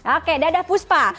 oke dadah puspa